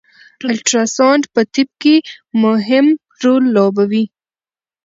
الټراساونډ په طب کی مهم رول لوبوي